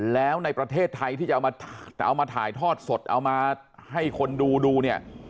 แล้วในประเทศไทยที่จะเอามาถ่ายทอดสดเอามาให้คนดูดูเนี่ย